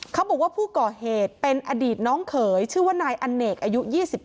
เขาบอกว่าผู้ก่อเหตุเป็นอดีตน้องเขยชื่อว่านายอเนกอายุ๒๙